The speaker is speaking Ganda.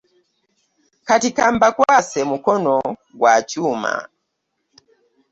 Kati ka mbakwase mukono gwa kyuma.